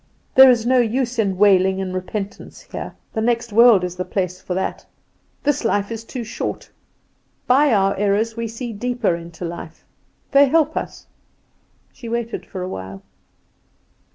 There is no use in wailing and repentance here: the next world is the place for that; this life is too short. By our errors we see deeper into life. They help us." She waited for a while.